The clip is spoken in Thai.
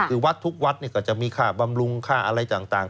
คือวัดทุกวัดก็จะมีค่าบำรุงค่าอะไรต่าง